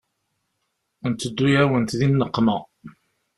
Nteddu-yawent di nneqma.